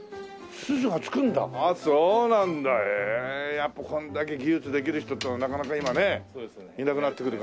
やっぱこれだけ技術できる人ってなかなか今ねいなくなってくるからね。